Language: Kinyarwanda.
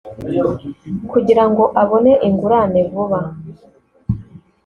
kugira ngo abone ingurane vuba